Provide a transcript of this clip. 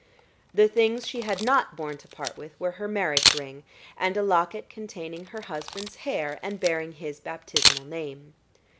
The things she had not borne to part with were her marriage ring, and a locket containing her husband's hair, and bearing his baptismal name.